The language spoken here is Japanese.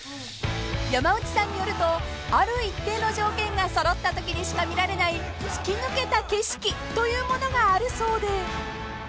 ［山内さんによるとある一定の条件が揃ったときにしか見られない突き抜けた景色というものがあるそうで］